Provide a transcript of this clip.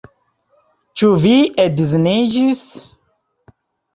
Ĉu vi edziniĝis?